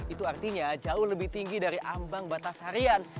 itu artinya jauh lebih tinggi dari ambang batas harian